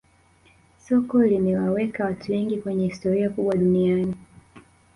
soka limewaweka watu wengi kwenye historia kubwa duniani